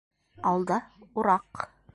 Алда - ураҡ.